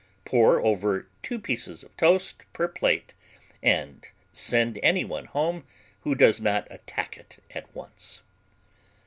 Pour over two pieces of toast per plate and send anyone home who does not attack it at once.